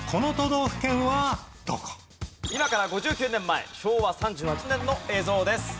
今から５９年前昭和３８年の映像です。